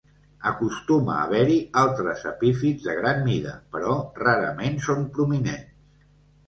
Acostuma a haver-hi altres epífits de gran mida, però rarament són prominents.